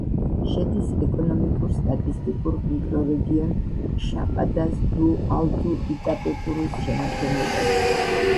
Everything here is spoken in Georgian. შედის ეკონომიკურ-სტატისტიკურ მიკრორეგიონ შაპადას-დუ-ალტუ-იტაპეკურუს შემადგენლობაში.